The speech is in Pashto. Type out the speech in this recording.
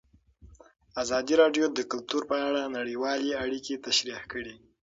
ازادي راډیو د کلتور په اړه نړیوالې اړیکې تشریح کړي.